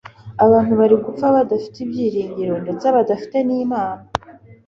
abantu bari gupfa badafite ibyiringiro ndetse badafite nImana